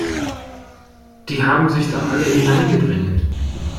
Die haben sich alle da hingedrängelt.